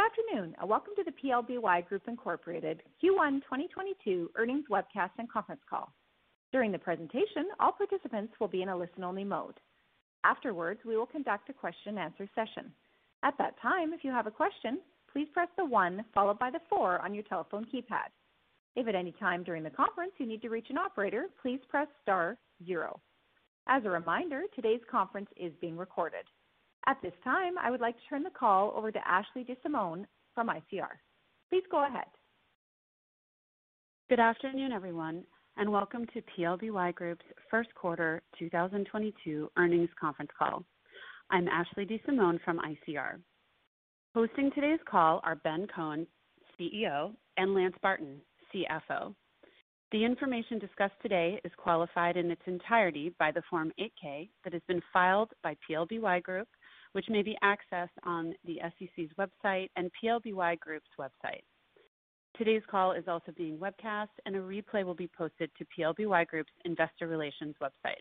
Good afternoon, and welcome to the PLBY Group, Inc. Q1 2022 earnings webcast and conference call. During the presentation, all participants will be in a listen-only mode. Afterwards, we will conduct a question and answer session. At that time, if you have a question, please press the one followed by the four on your telephone keypad. If at any time during the conference you need to reach an operator, please press star zero. As a reminder, today's conference is being recorded. At this time, I would like to turn the call over to Ashley De Simone from ICR. Please go ahead. Good afternoon, everyone, and welcome to PLBY Group's first quarter 2022 earnings conference call. I'm Ashley De Simone from ICR. Hosting today's call are Ben Kohn, CEO, and Lance Barton, CFO. The information discussed today is qualified in its entirety by the Form 8-K that has been filed by PLBY Group, which may be accessed on the SEC's website and PLBY Group's website. Today's call is also being webcast, and a replay will be posted to PLBY Group's investor relations website.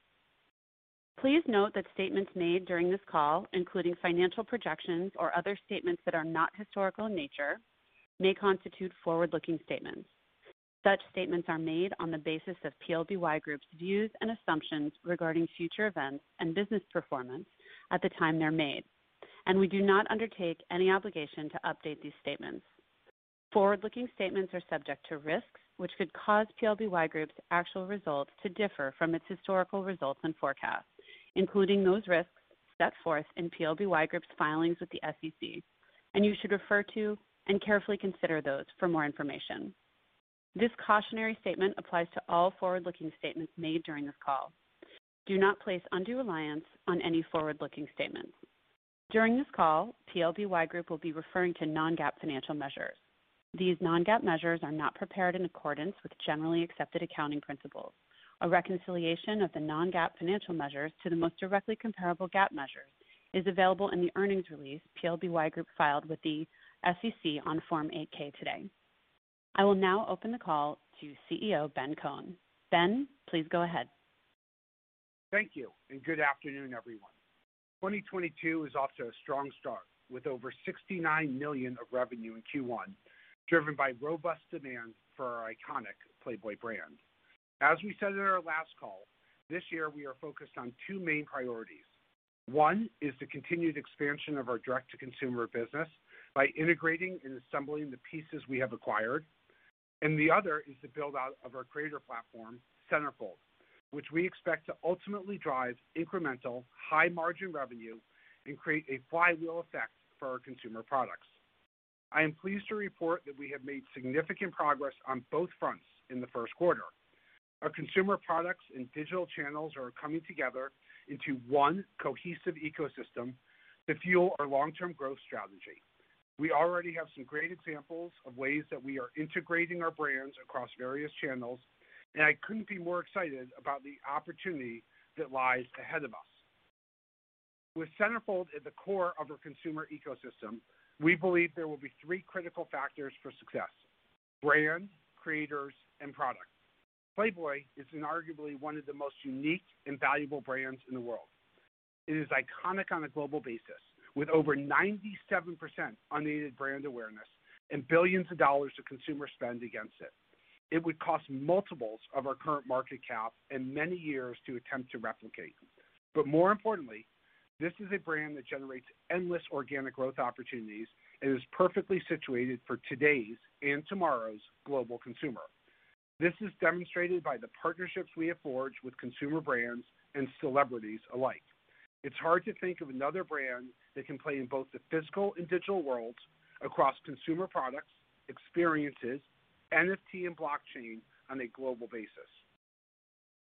Please note that statements made during this call, including financial projections or other statements that are not historical in nature, may constitute forward-looking statements. Such statements are made on the basis of PLBY Group's views and assumptions regarding future events and business performance at the time they're made, and we do not undertake any obligation to update these statements. Forward-looking statements are subject to risks which could cause PLBY Group's actual results to differ from its historical results and forecasts, including those risks set forth in PLBY Group's filings with the SEC, and you should refer to and carefully consider those for more information. This cautionary statement applies to all forward-looking statements made during this call. Do not place undue reliance on any forward-looking statements. During this call, PLBY Group will be referring to non-GAAP financial measures. These non-GAAP measures are not prepared in accordance with generally accepted accounting principles. A reconciliation of the non-GAAP financial measures to the most directly comparable GAAP measure is available in the earnings release PLBY Group filed with the SEC on Form 8-K today. I will now open the call to CEO Ben Kohn. Ben, please go ahead. Thank you, and good afternoon, everyone. 2022 is off to a strong start with over $69 million of revenue in Q1, driven by robust demand for our iconic Playboy brand. As we said in our last call, this year we are focused on two main priorities. One is the continued expansion of our direct-to-consumer business by integrating and assembling the pieces we have acquired. The other is the build-out of our creator platform, CENTERFOLD, which we expect to ultimately drive incremental high-margin revenue and create a flywheel effect for our consumer products. I am pleased to report that we have made significant progress on both fronts in the first quarter. Our consumer products and digital channels are coming together into one cohesive ecosystem to fuel our long-term growth strategy. We already have some great examples of ways that we are integrating our brands across various channels, and I couldn't be more excited about the opportunity that lies ahead of us. With CENTERFOLD at the core of our consumer ecosystem, we believe there will be three critical factors for success. Brand, creators, and product. Playboy is inarguably one of the most unique and valuable brands in the world. It is iconic on a global basis, with over 97% unaided brand awareness and billions of dollars of consumer spend against it. It would cost multiples of our current market cap and many years to attempt to replicate. More importantly, this is a brand that generates endless organic growth opportunities and is perfectly situated for today's and tomorrow's global consumer. This is demonstrated by the partnerships we have forged with consumer brands and celebrities alike. It's hard to think of another brand that can play in both the physical and digital worlds across consumer products, experiences, NFT and blockchain on a global basis.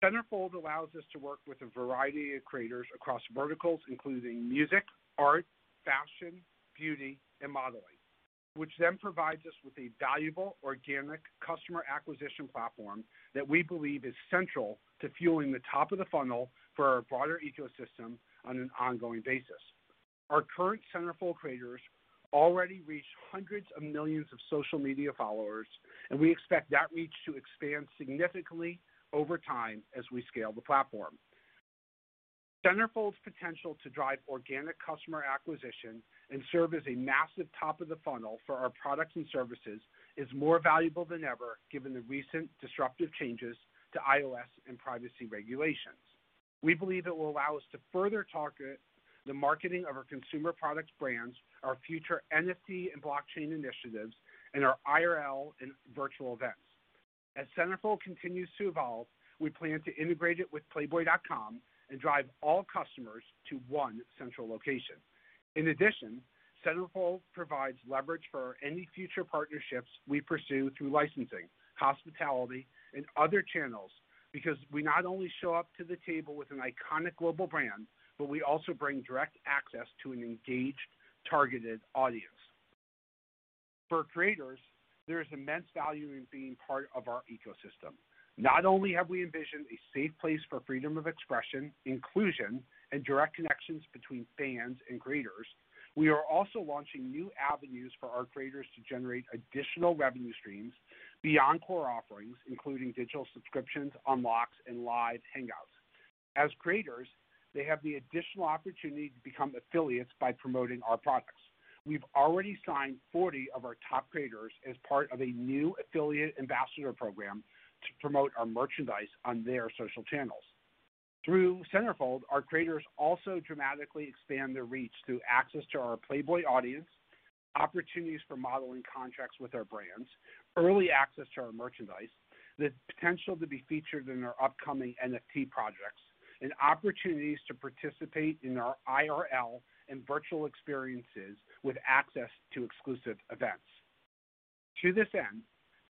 CENTERFOLD allows us to work with a variety of creators across verticals including music, art, fashion, beauty, and modeling, which then provides us with a valuable organic customer acquisition platform that we believe is central to fueling the top of the funnel for our broader ecosystem on an ongoing basis. Our current CENTERFOLD creators already reach hundreds of millions of social media followers, and we expect that reach to expand significantly over time as we scale the platform. CENTERFOLD's potential to drive organic customer acquisition and serve as a massive top of the funnel for our products and services is more valuable than ever given the recent disruptive changes to iOS and privacy regulations. We believe it will allow us to further target the marketing of our consumer products brands, our future NFT and blockchain initiatives, and our IRL and virtual events. As CENTERFOLD continues to evolve, we plan to integrate it with playboy.com and drive all customers to one central location. In addition, CENTERFOLD provides leverage for any future partnerships we pursue through licensing, hospitality, and other channels, because we not only show up to the table with an iconic global brand, but we also bring direct access to an engaged, targeted audience. For creators, there is immense value in being part of our ecosystem. Not only have we envisioned a safe place for freedom of expression, inclusion, and direct connections between fans and creators, we are also launching new avenues for our creators to generate additional revenue streams beyond core offerings, including digital subscriptions, unlocks, and live hangouts. As creators, they have the additional opportunity to become affiliates by promoting our products. We've already signed 40 of our top creators as part of a new affiliate ambassador program to promote our merchandise on their social channels. Through CENTERFOLD, our creators also dramatically expand their reach through access to our Playboy audience, opportunities for modeling contracts with our brands, early access to our merchandise, the potential to be featured in our upcoming NFT projects, and opportunities to participate in our IRL and virtual experiences with access to exclusive events. To this end,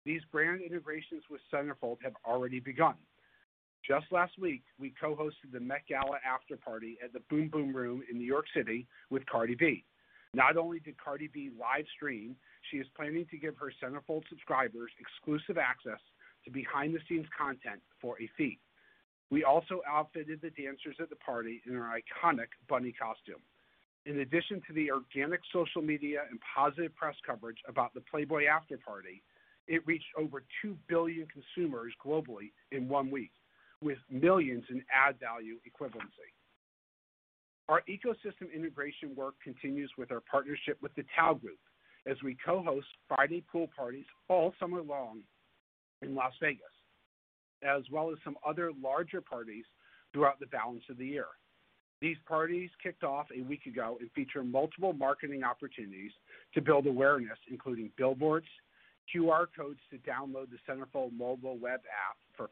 these brand integrations with CENTERFOLD have already begun. Just last week, we co-hosted the Met Gala after-party at the Boom Boom Room in New York City with Cardi B. Not only did Cardi B live stream, she is planning to give her CENTERFOLD subscribers exclusive access to behind-the-scenes content for a fee. We also outfitted the dancers at the party in our iconic bunny costume. In addition to the organic social media and positive press coverage about the Playboy afterparty, it reached over 2 billion consumers globally in 1 week, with millions in ad value equivalency. Our ecosystem integration work continues with our partnership with Tao Group Hospitality as we co-host Friday pool parties all summer long in Las Vegas, as well as some other larger parties throughout the balance of the year. These parties kicked off a week ago and feature multiple marketing opportunities to build awareness, including billboards, QR codes to download the CENTERFOLD mobile web app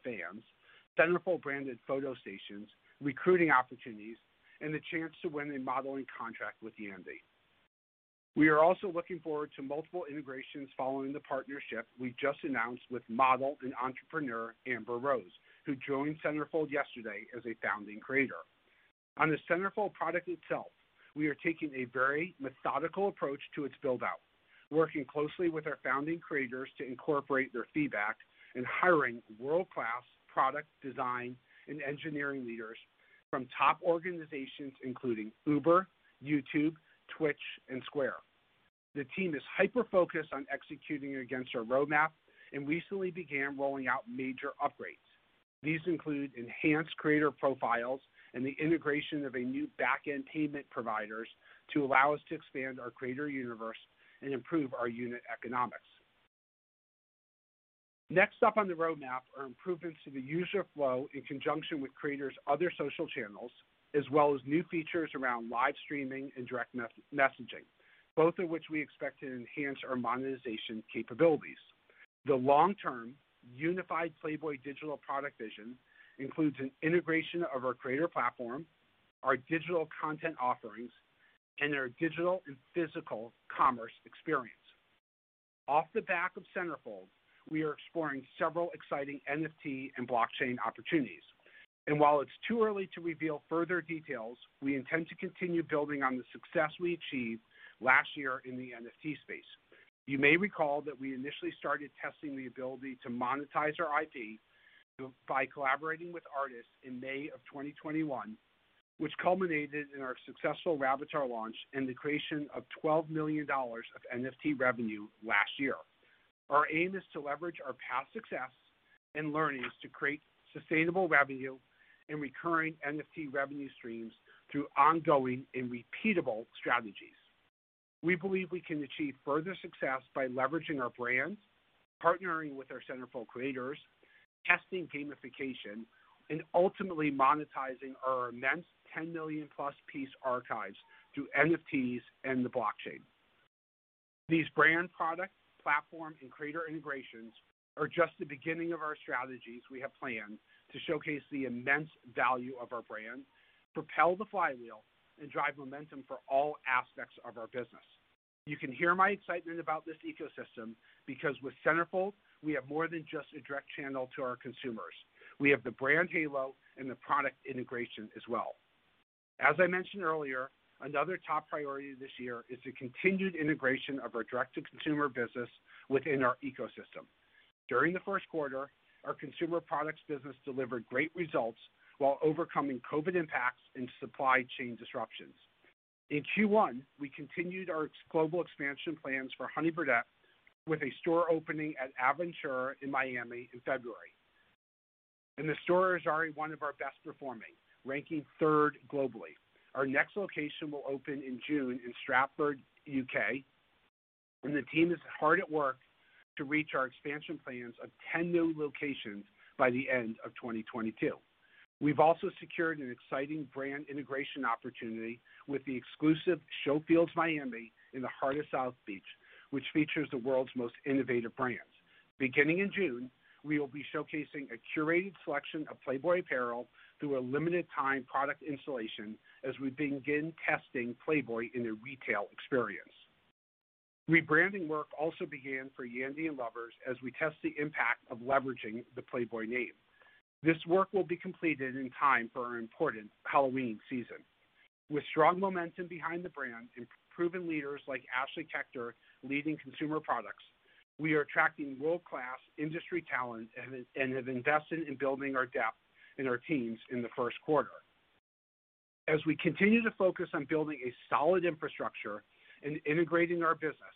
for fans, CENTERFOLD-branded photo stations, recruiting opportunities, and the chance to win a modeling contract with Yandy. We are also looking forward to multiple integrations following the partnership we just announced with model and entrepreneur Amber Rose, who joined CENTERFOLD yesterday as a founding creator. On the CENTERFOLD product itself, we are taking a very methodical approach to its build-out, working closely with our founding creators to incorporate their feedback and hiring world-class product design and engineering leaders from top organizations including Uber, YouTube, Twitch, and Square. The team is hyper-focused on executing against our roadmap and recently began rolling out major upgrades. These include enhanced creator profiles and the integration of a new back-end payment providers to allow us to expand our creator universe and improve our unit economics. Next up on the roadmap are improvements to the user flow in conjunction with creators' other social channels, as well as new features around live streaming and direct messaging, both of which we expect to enhance our monetization capabilities. The long-term unified Playboy digital product vision includes an integration of our creator platform, our digital content offerings, and our digital and physical commerce experience. Off the back of CENTERFOLD, we are exploring several exciting NFT and blockchain opportunities. While it's too early to reveal further details, we intend to continue building on the success we achieved last year in the NFT space. You may recall that we initially started testing the ability to monetize our IP by collaborating with artists in May 2021, which culminated in our successful Rabbitars launch and the creation of $12 million of NFT revenue last year. Our aim is to leverage our past success and learnings to create sustainable revenue and recurring NFT revenue streams through ongoing and repeatable strategies. We believe we can achieve further success by leveraging our brands, partnering with our CENTERFOLD creators, testing gamification, and ultimately monetizing our immense 10 million-plus piece archives through NFTs and the blockchain. These brand, product, platform, and creator integrations are just the beginning of our strategies we have planned to showcase the immense value of our brand, propel the flywheel, and drive momentum for all aspects of our business. You can hear my excitement about this ecosystem because with CENTERFOLD, we have more than just a direct channel to our consumers. We have the brand halo and the product integration as well. As I mentioned earlier, another top priority this year is the continued integration of our direct-to-consumer business within our ecosystem. During the first quarter, our consumer products business delivered great results while overcoming COVID impacts and supply chain disruptions. In Q1, we continued our global expansion plans for Honey Birdette with a store opening at Aventura in Miami in February, and the store is already one of our best performing, ranking third globally. Our next location will open in June in Stratford, U.K., and the team is hard at work to reach our expansion plans of 10 new locations by the end of 2022. We've also secured an exciting brand integration opportunity with the exclusive SHOWFIELDS Miami in the heart of South Beach, which features the world's most innovative brands. Beginning in June, we will be showcasing a curated selection of Playboy apparel through a limited time product installation as we begin testing Playboy in a retail experience. Rebranding work also began for Yandy and Lovers as we test the impact of leveraging the Playboy name. This work will be completed in time for our important Halloween season. With strong momentum behind the brand and proven leaders like Ashley Kechter leading consumer products, we are attracting world-class industry talent and have invested in building our depth in our teams in the first quarter. We continue to focus on building a solid infrastructure and integrating our business,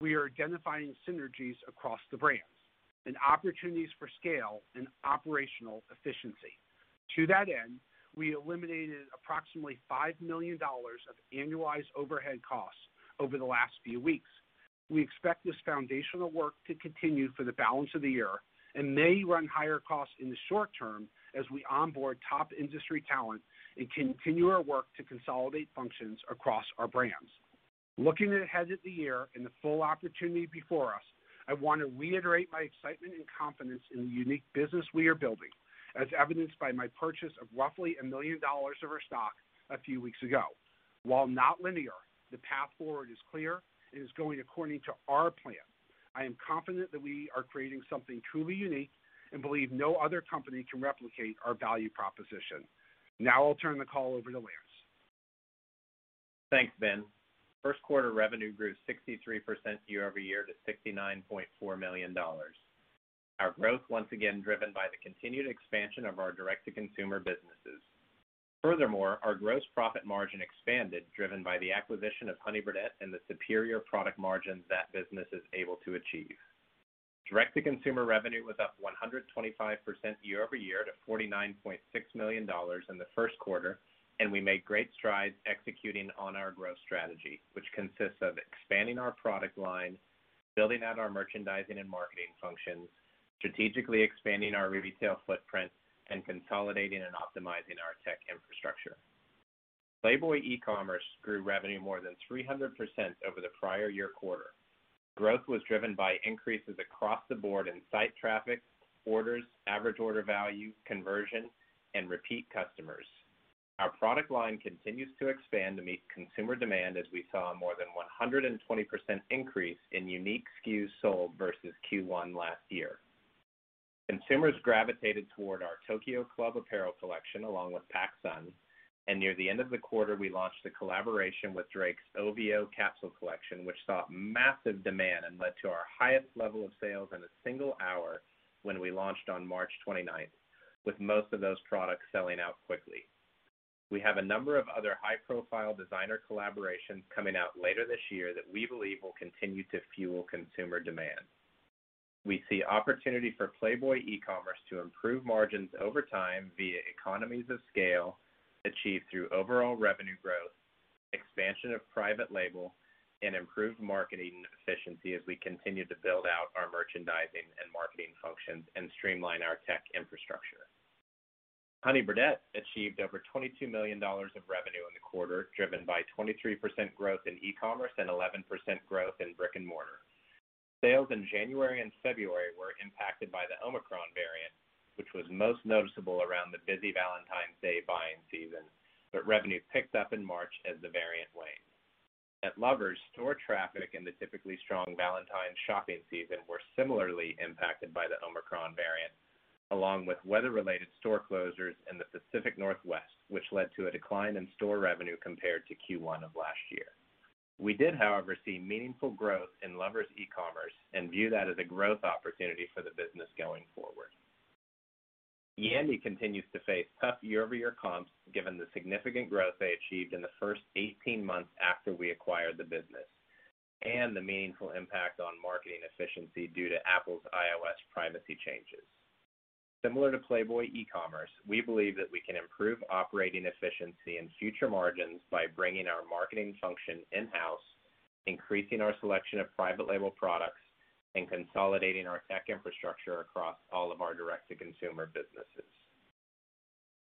we are identifying synergies across the brands and opportunities for scale and operational efficiency. To that end, we eliminated approximately $5 million of annualized overhead costs over the last few weeks. We expect this foundational work to continue for the balance of the year and may run higher costs in the short term as we onboard top industry talent and continue our work to consolidate functions across our brands. Looking ahead at the year and the full opportunity before us, I want to reiterate my excitement and confidence in the unique business we are building, as evidenced by my purchase of roughly $1 million of our stock a few weeks ago. While not linear, the path forward is clear and is going according to our plan. I am confident that we are creating something truly unique and believe no other company can replicate our value proposition. Now I'll turn the call over to Lance. Thanks, Ben. First quarter revenue grew 63% year-over-year to $69.4 million. Our growth once again driven by the continued expansion of our direct-to-consumer businesses. Furthermore, our gross profit margin expanded, driven by the acquisition of Honey Birdette and the superior product margins that business is able to achieve. Direct-to-consumer revenue was up 125% year-over-year to $49.6 million in the first quarter, and we made great strides executing on our growth strategy, which consists of expanding our product line, building out our merchandising and marketing functions, strategically expanding our retail footprint, and consolidating and optimizing our tech infrastructure. Playboy E-commerce grew revenue more than 300% over the prior year quarter. Growth was driven by increases across the board in site traffic, orders, average order value, conversion, and repeat customers. Our product line continues to expand to meet consumer demand as we saw more than 120% increase in unique SKUs sold versus Q1 last year. Consumers gravitated toward our Tokyo Club apparel collection along with PacSun, and near the end of the quarter, we launched a collaboration with Drake's OVO capsule collection, which saw massive demand and led to our highest level of sales in a single hour when we launched on March 29, with most of those products selling out quickly. We have a number of other high-profile designer collaborations coming out later this year that we believe will continue to fuel consumer demand. We see opportunity for Playboy E-commerce to improve margins over time via economies of scale achieved through overall revenue growth, expansion of private label, and improved marketing efficiency as we continue to build out our merchandising and marketing functions and streamline our tech infrastructure. Honey Birdette achieved over $22 million of revenue in the quarter, driven by 23% growth in e-commerce and 11% growth in brick and mortar. Sales in January and February were impacted by the Omicron variant, which was most noticeable around the busy Valentine's Day buying season, but revenue picked up in March as the variant waned. At Lovers, store traffic in the typically strong Valentine's shopping season were similarly impacted by the Omicron variant, along with weather-related store closures in the Pacific Northwest, which led to a decline in store revenue compared to Q1 of last year. We did, however, see meaningful growth in Lovers Ecommerce and view that as a growth opportunity for the business going forward. Yandy continues to face tough year-over-year comps given the significant growth they achieved in the first 18 months after we acquired the business and the meaningful impact on marketing efficiency due to Apple's iOS privacy changes. Similar to Playboy E-commerce, we believe that we can improve operating efficiency and future margins by bringing our marketing function in-house, increasing our selection of private label products, and consolidating our tech infrastructure across all of our direct-to-consumer businesses.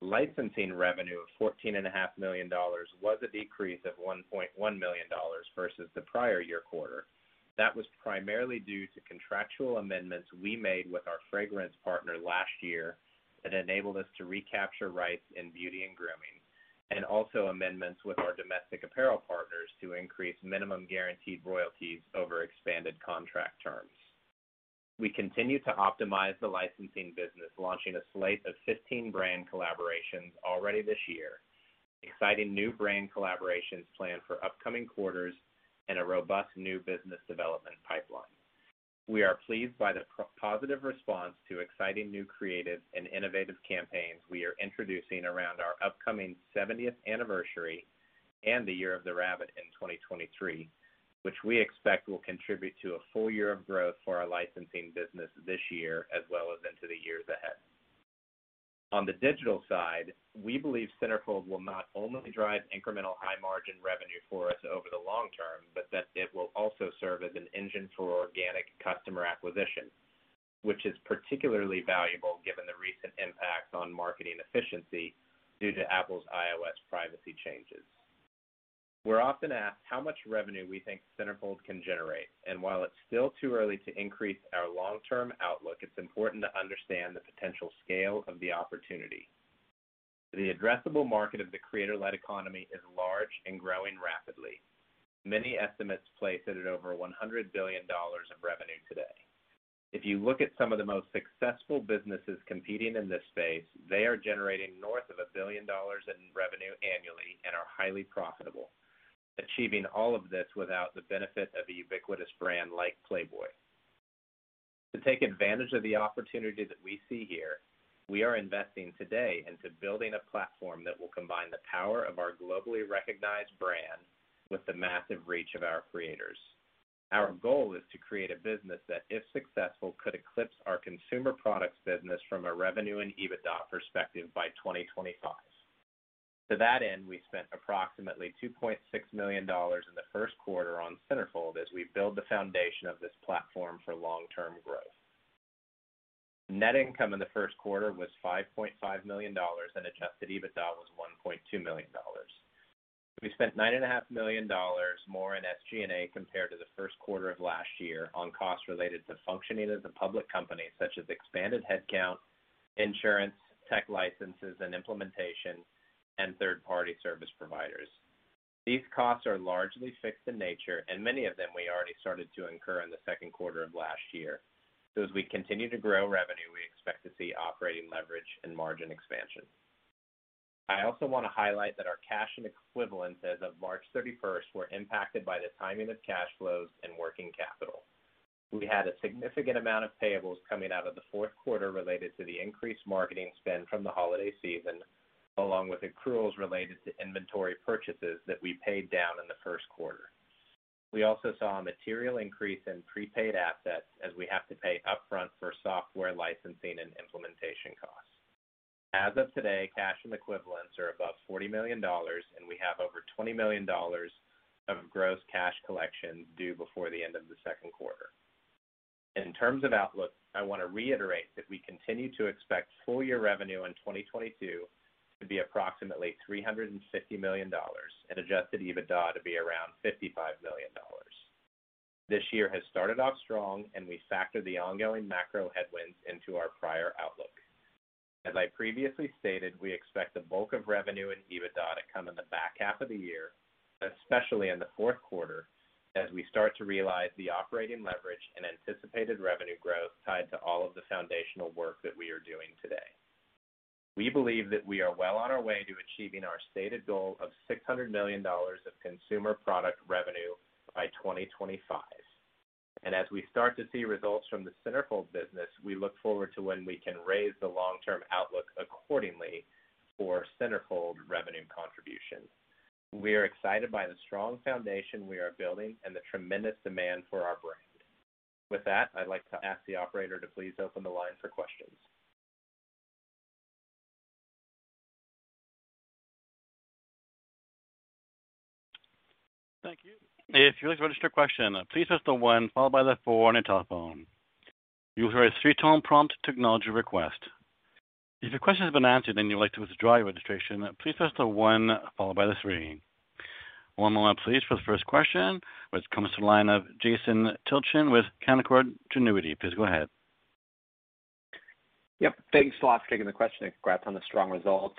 Licensing revenue of $14.5 million was a decrease of $1.1 million versus the prior year quarter. That was primarily due to contractual amendments we made with our fragrance partner last year that enabled us to recapture rights in beauty and grooming, and also amendments with our domestic apparel partners to increase minimum guaranteed royalties over expanded contract terms. We continue to optimize the licensing business, launching a slate of 15 brand collaborations already this year, exciting new brand collaborations planned for upcoming quarters, and a robust new business development pipeline. We are pleased by the positive response to exciting new creative and innovative campaigns we are introducing around our upcoming seventieth anniversary and the Year of the Rabbit in 2023, which we expect will contribute to a full year of growth for our licensing business this year as well as into the years ahead. On the digital side, we believe CENTERFOLD will not only drive incremental high-margin revenue for us over the long term, but that it will also serve as an engine for organic customer acquisition, which is particularly valuable given the recent impacts on marketing efficiency due to Apple's iOS privacy changes. We're often asked how much revenue we think CENTERFOLD can generate. While it's still too early to increase our long-term outlook, it's important to understand the potential scale of the opportunity. The addressable market of the creator-led economy is large and growing rapidly. Many estimates place it at over $100 billion of revenue today. If you look at some of the most successful businesses competing in this space, they are generating north of $1 billion in revenue annually and are highly profitable, achieving all of this without the benefit of a ubiquitous brand like Playboy. To take advantage of the opportunity that we see here, we are investing today into building a platform that will combine the power of our globally recognized brand with the massive reach of our creators. Our goal is to create a business that, if successful, could eclipse our consumer products business from a revenue and EBITDA perspective by 2025. To that end, we spent approximately $2.6 million in the first quarter on CENTERFOLD as we build the foundation of this platform for long-term growth. Net income in the first quarter was $5.5 million, and adjusted EBITDA was $1.2 million. We spent $9.5 million more in SG&A compared to the first quarter of last year on costs related to functioning as a public company, such as expanded headcount, insurance, tech licenses and implementation, and third-party service providers. These costs are largely fixed in nature, and many of them we already started to incur in the second quarter of last year. As we continue to grow revenue, we expect to see operating leverage and margin expansion. I also want to highlight that our cash and equivalents as of March 31 were impacted by the timing of cash flows and working capital. We had a significant amount of payables coming out of the fourth quarter related to the increased marketing spend from the holiday season, along with accruals related to inventory purchases that we paid down in the first quarter. We also saw a material increase in prepaid assets as we have to pay upfront for software licensing and implementation costs. As of today, cash and equivalents are above $40 million, and we have over $20 million of gross cash collection due before the end of the second quarter. In terms of outlook, I want to reiterate that we continue to expect full year revenue in 2022 to be approximately $350 million and adjusted EBITDA to be around $55 million. This year has started off strong, and we factor the ongoing macro headwinds into our prior outlook. As I previously stated, we expect the bulk of revenue and EBITDA to come in the back half of the year, especially in the fourth quarter, as we start to realize the operating leverage and anticipated revenue growth tied to all of the foundational work that we are doing today. We believe that we are well on our way to achieving our stated goal of $600 million of consumer product revenue by 2025. As we start to see results from the CENTERFOLD business, we look forward to when we can raise the long-term outlook accordingly for CENTERFOLD revenue contribution. We are excited by the strong foundation we are building and the tremendous demand for our brand. With that, I'd like to ask the operator to please open the line for questions. Thank you. If you'd like to register a question, please press the one followed by the four on your telephone. You will hear a three-tone prompt to acknowledge your request. If your question has been answered and you'd like to withdraw your registration, please press the one followed by the three. One moment please for the first question, which comes to the line of Jason Tilchen with Canaccord Genuity. Please go ahead. Yep. Thanks a lot for taking the question and congrats on the strong results.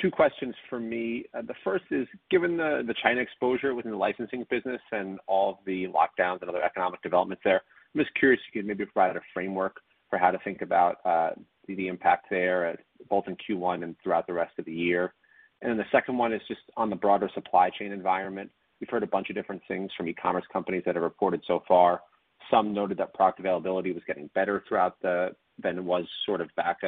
Two questions for me. The first is, given the China exposure within the licensing business and all of the lockdowns and other economic developments there, I'm just curious if you could maybe provide a framework for how to think about the impact there, both in Q1 and throughout the rest of the year. The second one is just on the broader supply chain environment. We've heard a bunch of different things from e-commerce companies that have reported so far. Some noted that product availability was getting better than it was sort of back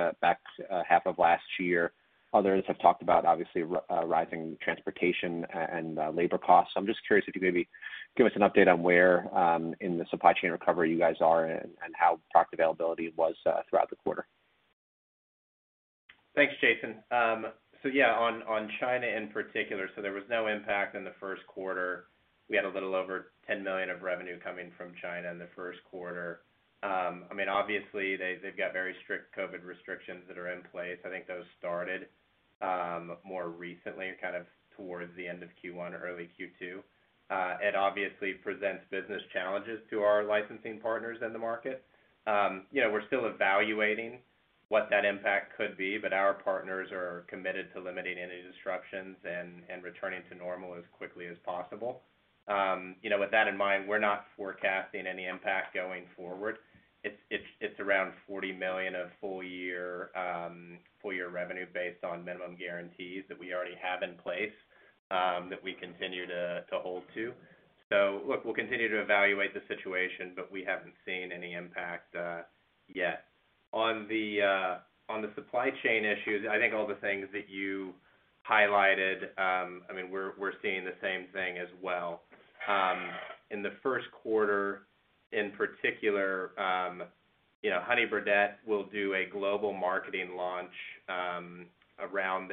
half of last year. Others have talked about obviously rising transportation and labor costs. I'm just curious if you could maybe give us an update on where in the supply chain recovery you guys are and how product availability was throughout the quarter. Thanks, Jason. Yeah, on China in particular, there was no impact in the first quarter. We had a little over $10 million of revenue coming from China in the first quarter. I mean, obviously, they've got very strict COVID restrictions that are in place. I think those started more recently, kind of towards the end of Q1 or early Q2. It obviously presents business challenges to our licensing partners in the market. You know, we're still evaluating what that impact could be, but our partners are committed to limiting any disruptions and returning to normal as quickly as possible. You know, with that in mind, we're not forecasting any impact going forward. It's around $40 million of full year revenue based on minimum guarantees that we already have in place, that we continue to hold to. Look, we'll continue to evaluate the situation, but we haven't seen any impact yet. On the supply chain issues, I think all the things that you highlighted, I mean, we're seeing the same thing as well. In the first quarter, in particular, you know, Honey Birdette will do a global marketing launch around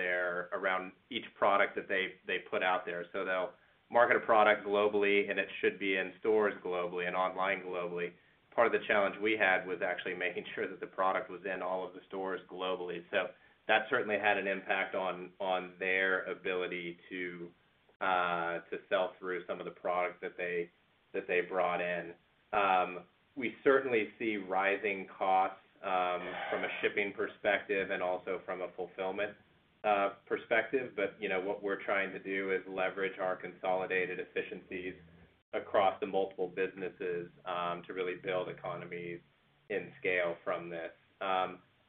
each product that they put out there. They'll market a product globally, and it should be in stores globally and online globally. Part of the challenge we had was actually making sure that the product was in all of the stores globally. That certainly had an impact on their ability to sell through some of the products that they brought in. We certainly see rising costs from a shipping perspective and also from a fulfillment perspective. You know, what we're trying to do is leverage our consolidated efficiencies across the multiple businesses to really build economies of scale from this.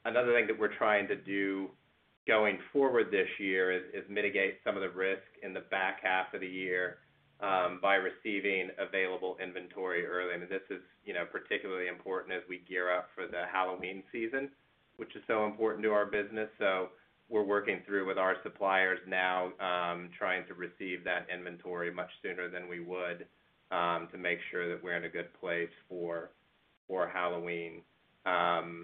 Another thing that we're trying to do going forward this year is mitigate some of the risk in the back half of the year by receiving available inventory early. This is, you know, particularly important as we gear up for the Halloween season, which is so important to our business. We're working through with our suppliers now, trying to receive that inventory much sooner than we would, to make sure that we're in a good place for Halloween. The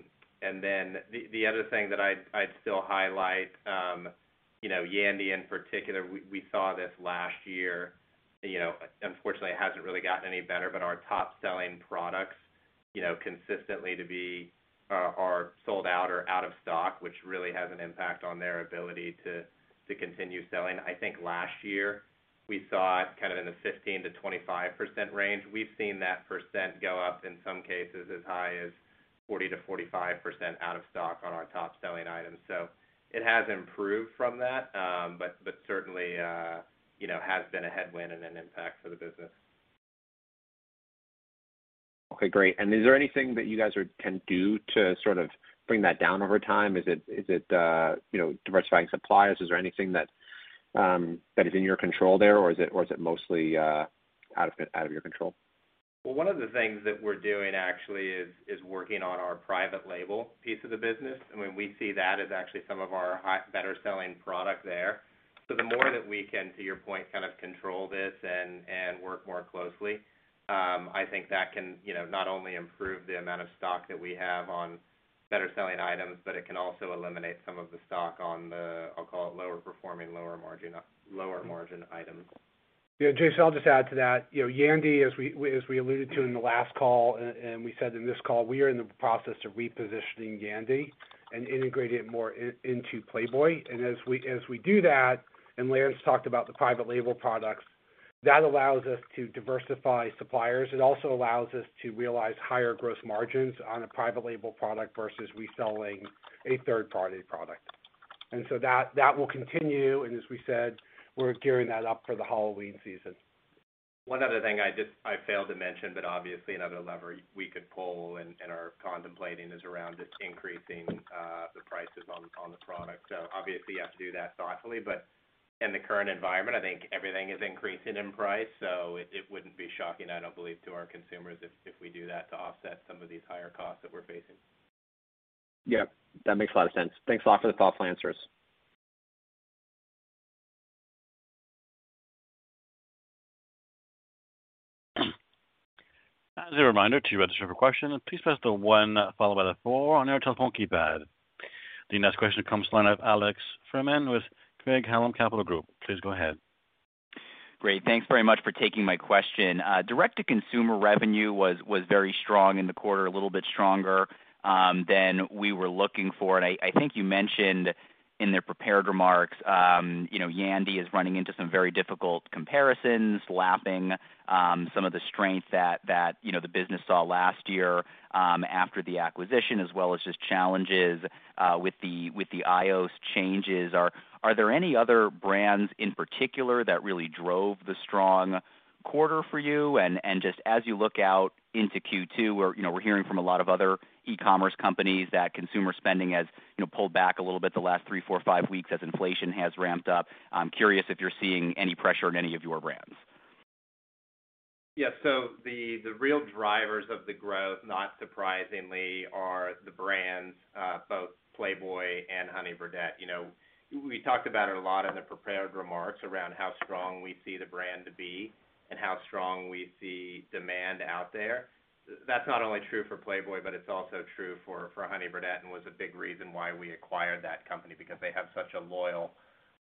other thing that I'd still highlight, you know, Yandy in particular, we saw this last year, you know, unfortunately, it hasn't really gotten any better. Our top-selling products, you know, consistently are sold out or out of stock, which really has an impact on their ability to continue selling. I think last year we saw it kind of in the 15%-25% range. We've seen that percent go up, in some cases as high as 40%-45% out of stock on our top-selling items. It has improved from that, but certainly, you know, has been a headwind and an impact for the business. Okay, great. Is there anything that you guys can do to sort of bring that down over time? Is it, you know, diversifying suppliers? Is there anything that is in your control there, or is it mostly out of your control? Well, one of the things that we're doing actually is working on our private label piece of the business. When we see that as actually some of our higher-better selling product there. The more that we can, to your point, kind of control this and work more closely, I think that can, you know, not only improve the amount of stock that we have on better selling items, but it can also eliminate some of the stock on the, I'll call it lower performing, lower margin items. Yeah, Jason, I'll just add to that. You know, Yandy, as we alluded to in the last call and we said in this call, we are in the process of repositioning Yandy and integrating it more into Playboy. As we do that, and Lance talked about the private label products, that allows us to diversify suppliers. It also allows us to realize higher gross margins on a private label product versus reselling a third-party product. So that will continue. As we said, we're gearing that up for the Halloween season. One other thing I failed to mention, but obviously another lever we could pull and are contemplating is around just increasing the prices on the product. So obviously you have to do that thoughtfully, but in the current environment, I think everything is increasing in price, so it wouldn't be shocking, I don't believe, to our consumers if we do that to offset some of these higher costs that we're facing. Yeah, that makes a lot of sense. Thanks a lot for the thoughtful answers. As a reminder, to register for questions, please press the one followed by the four on your telephone keypad. The next question comes from the line of Alex Fuhrman with Craig-Hallum Capital Group. Please go ahead. Great. Thanks very much for taking my question. Direct-to-consumer revenue was very strong in the quarter, a little bit stronger than we were looking for. I think you mentioned in the prepared remarks, you know, Yandy is running into some very difficult comparisons, lapping some of the strength that you know, the business saw last year after the acquisition, as well as just challenges with the iOS changes. Are there any other brands in particular that really drove the strong quarter for you? Just as you look out into Q2, you know, we're hearing from a lot of other e-commerce companies that consumer spending has you know, pulled back a little bit the last three, four, five weeks as inflation has ramped up. I'm curious if you're seeing any pressure in any of your brands. Yeah. The real drivers of the growth, not surprisingly, are the brands, both Playboy and Honey Birdette. You know, we talked about it a lot in the prepared remarks around how strong we see the brand to be and how strong we see demand out there. That's not only true for Playboy, but it's also true for Honey Birdette, and was a big reason why we acquired that company, because they have such a loyal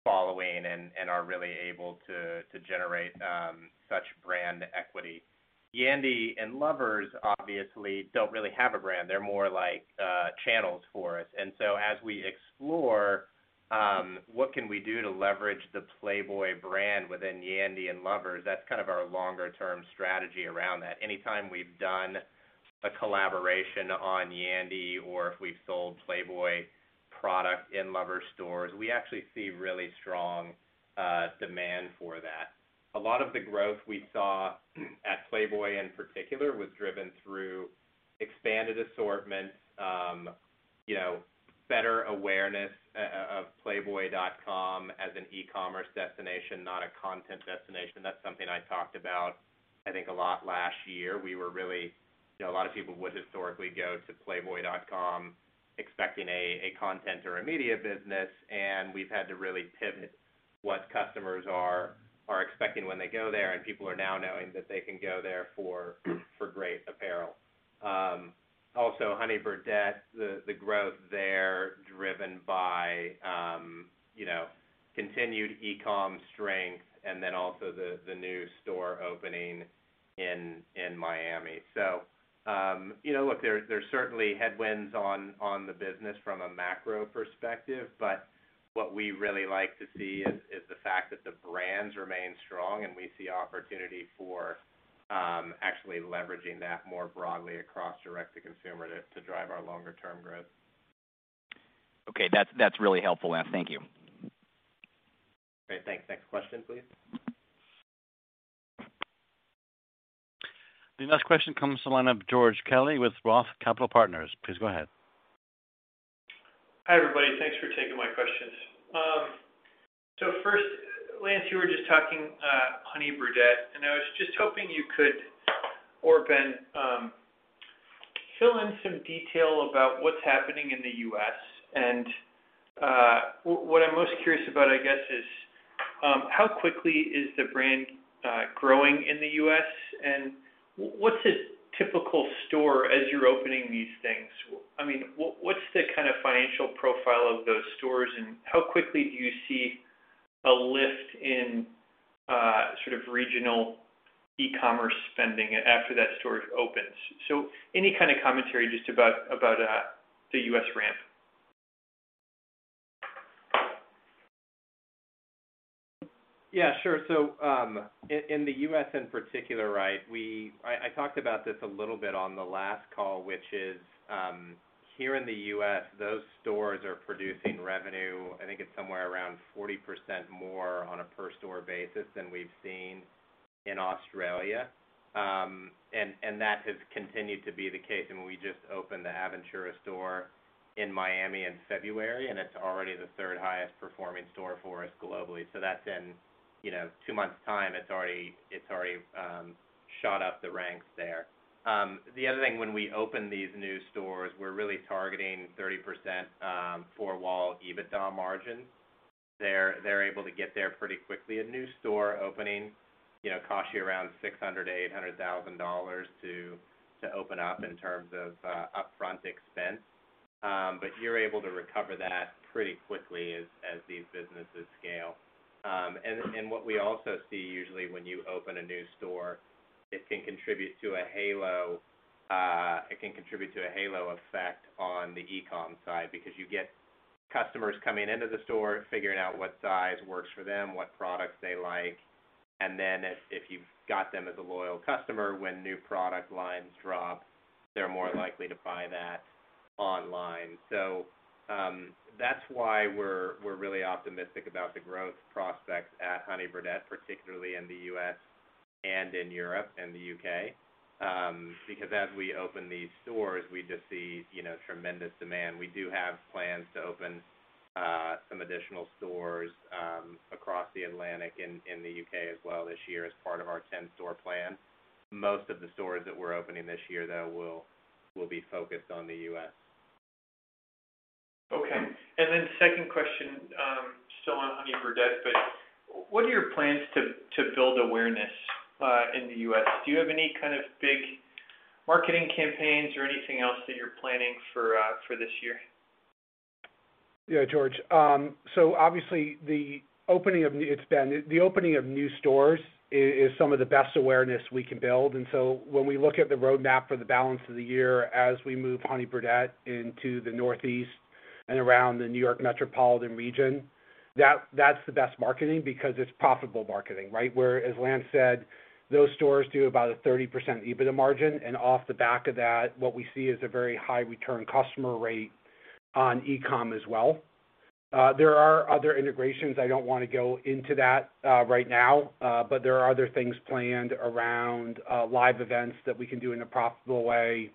following and are really able to generate such brand equity. Yandy and Lovers obviously don't really have a brand. They're more like channels for us. We explore what we can do to leverage the Playboy brand within Yandy and Lovers, that's kind of our longer term strategy around that. Anytime we've done a collaboration on Yandy or if we've sold Playboy product in Lovers stores, we actually see really strong demand for that. A lot of the growth we saw at Playboy in particular was driven through expanded assortment, you know, better awareness of playboy.com as an E-commerce destination, not a content destination. That's something I talked about, I think, a lot last year. We were really you know, a lot of people would historically go to playboy.com expecting a content or a media business, and we've had to really pivot what customers are expecting when they go there. People are now knowing that they can go there for great apparel. Also Honey Birdette, the growth there driven by, you know, continued e-com strength and then also the new store opening in Miami. you know, look, there's certainly headwinds on the business from a macro perspective, but what we really like to see is the fact that the brands remain strong and we see opportunity for actually leveraging that more broadly across direct-to-consumer to drive our longer term growth. Okay. That's really helpful, Lance. Thank you. Great. Thanks. Next question, please. The next question comes from the line of George Kelly with ROTH Capital Partners. Please go ahead. Hi, everybody. Thanks for taking my questions. First, Lance, you were just talking, Honey Birdette, and I was just hoping you could, or Ben, fill in some detail about what's happening in the U.S. What I'm most curious about, I guess, is how quickly is the brand growing in the U.S., and what's a typical store as you're opening these things? I mean, what's the kind of financial profile of those stores, and how quickly do you see a lift in sort of regional e-commerce spending after that store opens? Any kind of commentary just about the U.S. ramp. Yeah, sure. In the U.S. in particular, right, I talked about this a little bit on the last call, which is, here in the U.S., those stores are producing revenue, I think it's somewhere around 40% more on a per store basis than we've seen in Australia. That has continued to be the case. We just opened the Aventura store in Miami in February, and it's already the third highest performing store for us globally. That's in, you know, two months' time, it's already shot up the ranks there. The other thing, when we open these new stores, we're really targeting 30% four-wall EBITDA margins. They're able to get there pretty quickly. A new store opening, you know, costs you around $600,000-$800,000 to open up in terms of upfront expense. You're able to recover that pretty quickly as these businesses scale. What we also see usually when you open a new store, it can contribute to a halo effect on the e-com side because you get customers coming into the store, figuring out what size works for them, what products they like, and then if you've got them as a loyal customer, when new product lines drop, they're more likely to buy that online. That's why we're really optimistic about the growth prospects at Honey Birdette, particularly in the U.S. and in Europe and the U.K. Because as we open these stores, we just see, you know, tremendous demand. We do have plans to open some additional stores across the Atlantic in the U.K. as well this year as part of our 10-store plan. Most of the stores that we're opening this year, though, will be focused on the U.S. Okay. Then second question, still on Honey Birdette, but what are your plans to build awareness in the U.S.? Do you have any kind of big marketing campaigns or anything else that you're planning for this year? Yeah, George. It's Ben. The opening of new stores is some of the best awareness we can build. When we look at the roadmap for the balance of the year as we move Honey Birdette into the Northeast and around the New York metropolitan region, that's the best marketing because it's profitable marketing, right? Where, as Lance said, those stores do about a 30% EBITDA margin, and off the back of that, what we see is a very high return customer rate on E-com as well. There are other integrations. I don't wanna go into that right now. But there are other things planned around live events that we can do in a profitable way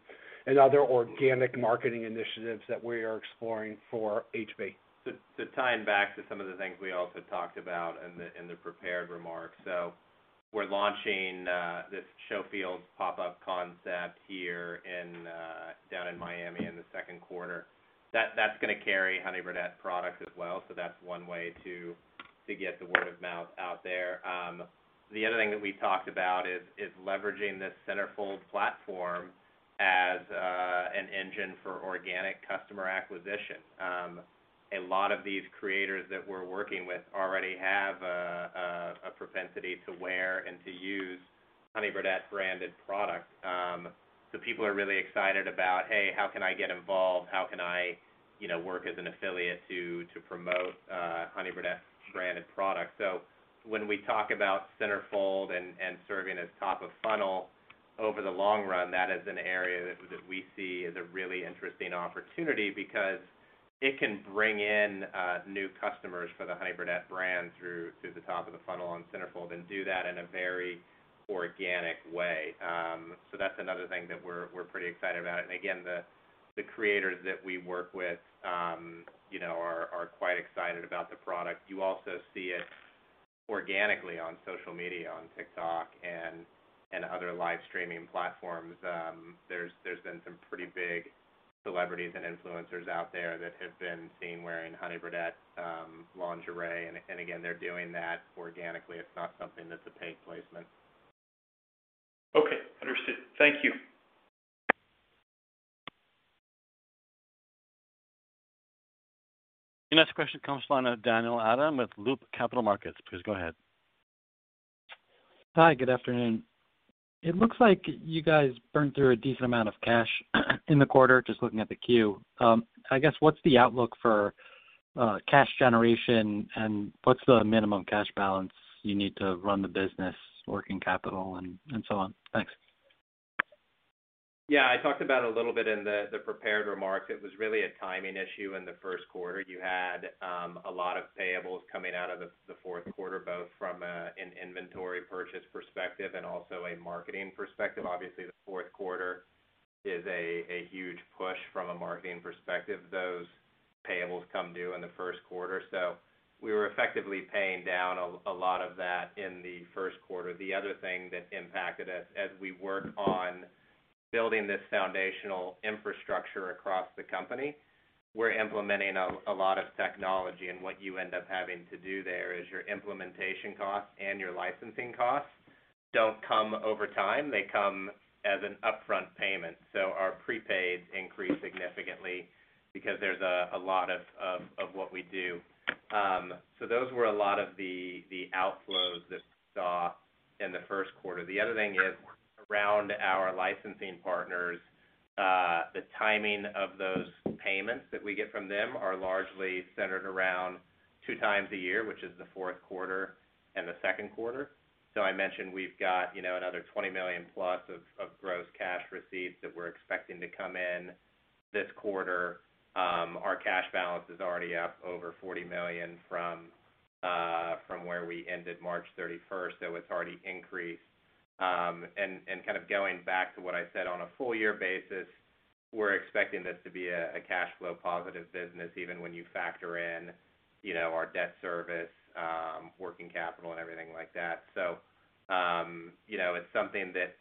and other organic marketing initiatives that we are exploring for HB. To tie it back to some of the things we also talked about in the prepared remarks. We're launching this SHOWFIELDS pop-up concept here in down in Miami in the second quarter. That's gonna carry Honey Birdette products as well. That's one way to get the word of mouth out there. The other thing that we talked about is leveraging this CENTERFOLD platform as an engine for organic customer acquisition. A lot of these creators that we're working with already have a propensity to wear and to use Honey Birdette branded products. People are really excited about, "Hey, how can I get involved? How can I, you know, work as an affiliate to promote Honey Birdette's branded products?" When we talk about CENTERFOLD and serving as top of funnel over the long run, that is an area that we see as a really interesting opportunity because it can bring in new customers for the Honey Birdette brand through the top of the funnel on CENTERFOLD and do that in a very organic way. That's another thing that we're pretty excited about. Again, the creators that we work with, you know, are quite excited about the product. You also see it organically on social media, on TikTok and other live streaming platforms. There's been some pretty big celebrities and influencers out there that have been seen wearing Honey Birdette lingerie, and again, they're doing that organically. It's not something that's a paid placement. Okay. Understood. Thank you. The next question comes from Daniel Adam with Loop Capital Markets. Please go ahead. Hi. Good afternoon. It looks like you guys burned through a decent amount of cash in the quarter, just looking at the Q. I guess, what's the outlook for cash generation, and what's the minimum cash balance you need to run the business working capital and so on? Thanks. Yeah, I talked about a little bit in the prepared remarks. It was really a timing issue in the first quarter. You had a lot of payables coming out of the fourth quarter, both from an inventory purchase perspective and also a marketing perspective. Obviously, the fourth quarter is a huge push from a marketing perspective. Those payables come due in the first quarter. We were effectively paying down a lot of that in the first quarter. The other thing that impacted us as we work on building this foundational infrastructure across the company, we're implementing a lot of technology, and what you end up having to do there is your implementation costs and your licensing costs don't come over time, they come as an upfront payment. Our prepaids increased significantly because there's a lot of what we do. Those were a lot of the outflows that we saw in the first quarter. The other thing is around our licensing partners. The timing of those payments that we get from them are largely centered around two times a year, which is the fourth quarter and the second quarter. I mentioned we've got, you know, another $20 million plus of gross cash receipts that we're expecting to come in this quarter. Our cash balance is already up over $40 million from where we ended March 31st. It's already increased. Kind of going back to what I said on a full year basis, we're expecting this to be a cash flow positive business, even when you factor in, you know, our debt service, working capital and everything like that. You know, it's something that,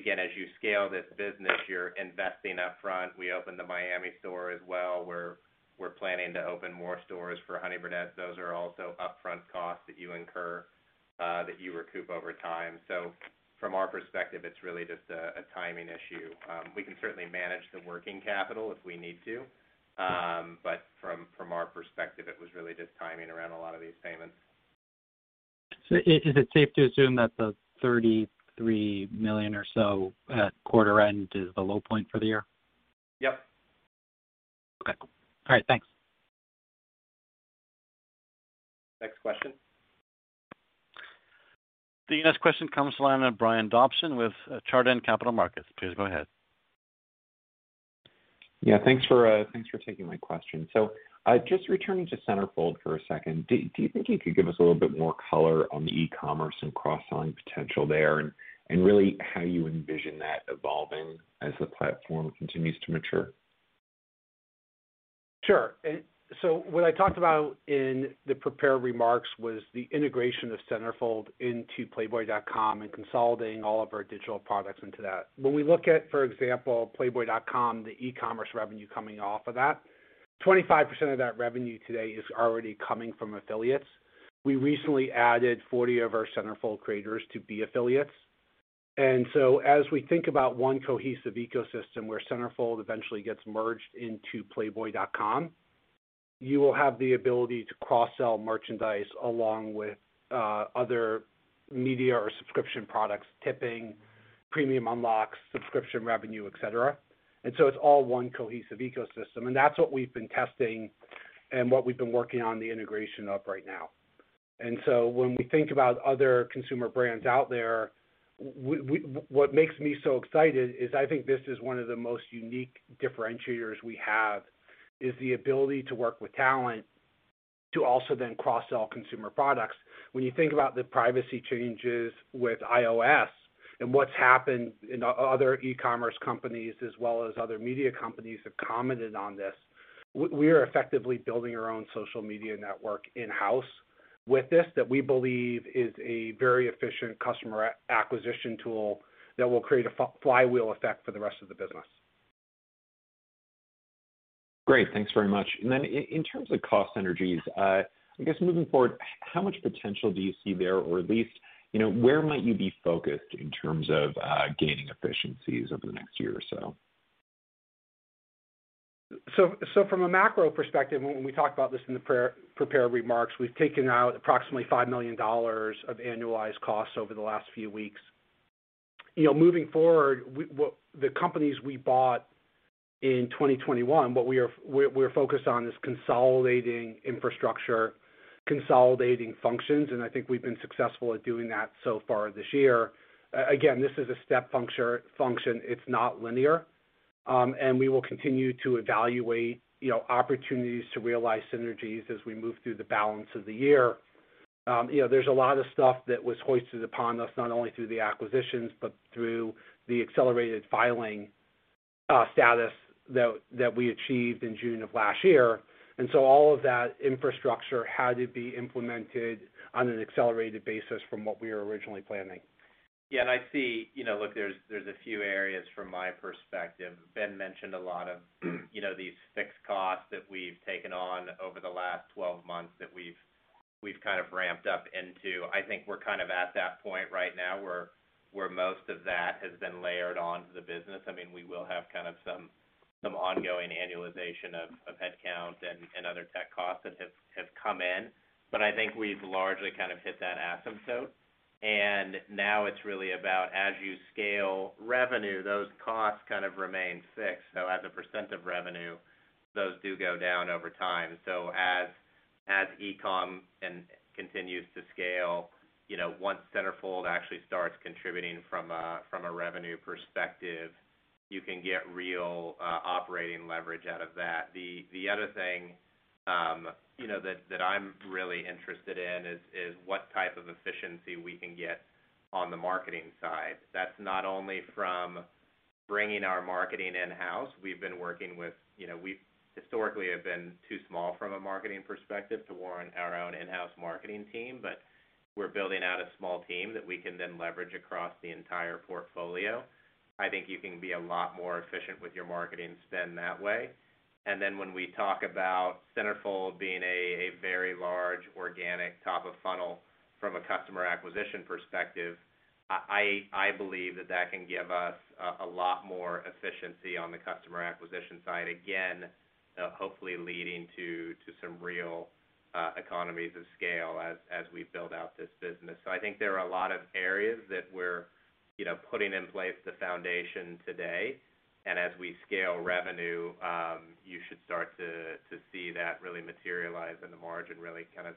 again, as you scale this business, you're investing upfront. We opened the Miami store as well. We're planning to open more stores for Honey Birdette. Those are also upfront costs that you incur, that you recoup over time. From our perspective, it's really just a timing issue. We can certainly manage the working capital if we need to. From our perspective, it was really just timing around a lot of these payments. Is it safe to assume that the $33 million or so at quarter end is the low point for the year? Yep. Okay. All right. Thanks. Next question. The next question comes to line of Brian Dobson with Chardan Capital Markets. Please go ahead. Yeah, thanks for taking my question. Just returning to CENTERFOLD for a second, do you think you could give us a little bit more color on the e-commerce and cross-selling potential there, and really how you envision that evolving as the platform continues to mature? Sure. What I talked about in the prepared remarks was the integration of CENTERFOLD into playboy.com and consolidating all of our digital products into that. When we look at, for example, playboy.com, the E-commerce revenue coming off of that, 25% of that revenue today is already coming from affiliates. We recently added 40 of our CENTERFOLD creators to be affiliates. As we think about one cohesive ecosystem where CENTERFOLD eventually gets merged into playboy.com, you will have the ability to cross-sell merchandise along with other media or subscription products, tipping, premium unlocks, subscription revenue, et cetera. It's all one cohesive ecosystem. That's what we've been testing and what we've been working on the integration of right now. When we think about other consumer brands out there, what makes me so excited is I think this is one of the most unique differentiators we have, is the ability to work with talent to also then cross-sell consumer products. When you think about the privacy changes with iOS and what's happened in other E-commerce companies as well as other media companies have commented on this, we are effectively building our own social media network in-house with this that we believe is a very efficient customer acquisition tool that will create a flywheel effect for the rest of the business. Great. Thanks very much. In terms of cost synergies, I guess moving forward, how much potential do you see there, or at least, you know, where might you be focused in terms of gaining efficiencies over the next year or so? From a macro perspective, when we talk about this in the prepared remarks, we've taken out approximately $5 million of annualized costs over the last few weeks. You know, moving forward, the companies we bought in 2021, what we're focused on is consolidating infrastructure, consolidating functions, and I think we've been successful at doing that so far this year. Again, this is a step function. It's not linear. We will continue to evaluate, you know, opportunities to realize synergies as we move through the balance of the year. You know, there's a lot of stuff that was foisted upon us, not only through the acquisitions, but through the accelerated filer status that we achieved in June of last year. All of that infrastructure had to be implemented on an accelerated basis from what we were originally planning. Yeah. I see, you know, look, there's a few areas from my perspective. Ben mentioned a lot of, you know, these fixed costs that we've taken on over the last 12 months that we've kind of ramped up into. I think we're kind of at that point right now where most of that has been layered on to the business. I mean, we will have kind of some ongoing annualization of headcount and other tech costs that have come in. I think we've largely kind of hit that asymptote. Now it's really about as you scale revenue, those costs kind of remain fixed. As a % of revenue, those do go down over time. As E-com continues to scale, once CENTERFOLD actually starts contributing from a revenue perspective, you can get real operating leverage out of that. The other thing that I'm really interested in is what type of efficiency we can get on the marketing side. That's not only from bringing our marketing in-house. We've historically have been too small from a marketing perspective to warrant our own in-house marketing team, but we're building out a small team that we can then leverage across the entire portfolio. I think you can be a lot more efficient with your marketing spend that way. When we talk about CENTERFOLD being a very large organic top of funnel from a customer acquisition perspective, I believe that can give us a lot more efficiency on the customer acquisition side, again, hopefully leading to some real economies of scale as we build out this business. I think there are a lot of areas that we're, you know, putting in place the foundation today. As we scale revenue, you should start to see that really materialize in the margin, really kind of,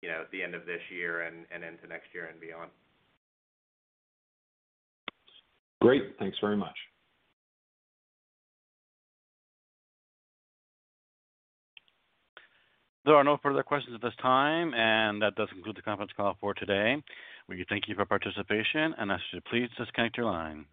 you know, at the end of this year and into next year and beyond. Great. Thanks very much. There are no further questions at this time, and that does conclude the conference call for today. We thank you for participation, and I should please disconnect your line.